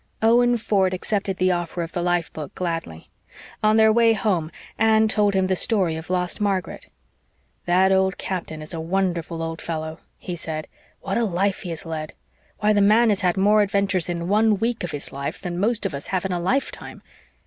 Owen Ford accepted the offer of the life book gladly. On their way home Anne told him the story of lost Margaret. "That old captain is a wonderful old fellow," he said. "What a life he has led! Why, the man had more adventures in one week of his life than most of us have in a lifetime.